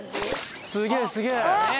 すげえすげえ！